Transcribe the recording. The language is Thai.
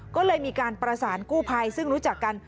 ก็เลยมีการประสานกู้ภัยซึ่งรู้จักกัน